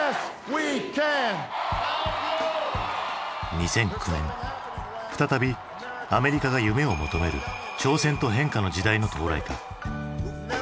２００９年再びアメリカが夢を求める挑戦と変化の時代の到来か。